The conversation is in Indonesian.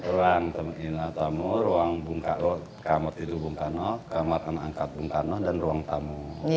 ruang teman inap tamu ruang bung karno kamar tidur bung karno kamar teman angkat bung karno dan ruang tamu